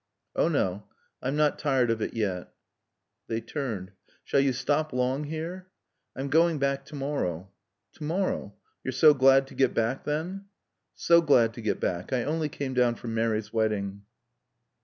"Oh no, I'm not tired of it yet." They turned. "Shall you stop long here?" "I'm going back to morrow." "To morrow? You're so glad to get back then?" "So glad to get back. I only came down for Mary's wedding."